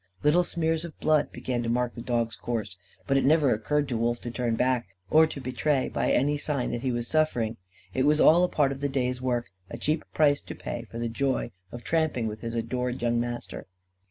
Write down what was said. Little smears of blood began to mark the dog's course; but it never occurred to Wolf to turn back, or to betray by any sign that he was suffering. It was all a part of the day's work a cheap price to pay for the joy of tramping with his adored young master.